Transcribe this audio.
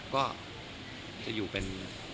ก็จะอยู่เป็น